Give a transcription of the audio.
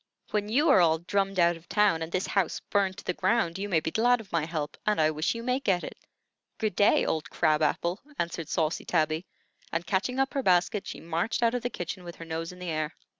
"When you are all drummed out of town and this house burnt to the ground, you may be glad of my help, and I wish you may get it. Good day, old crab apple," answered saucy Tabby; and catching up her basket, she marched out of the kitchen with her nose in the air.